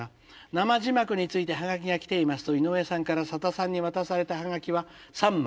「生字幕についてハガキが来ていますと井上さんからさださんに渡されたハガキは３枚」。